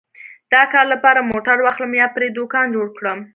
د کار لپاره موټر واخلم یا پرې دوکان جوړ کړم